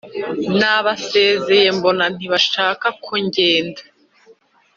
nabasezeye mbona ntibashaka ko ngenda